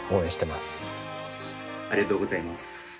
ありがとうございます。